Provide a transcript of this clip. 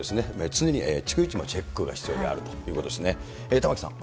常に逐一、チェックが必要であるということですね。